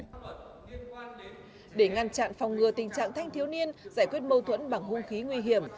để ngăn chặn phòng ngừa tình trạng thanh thiếu niên giải quyết mâu thuẫn bằng hung khí nguy hiểm